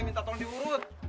minta tolong diurut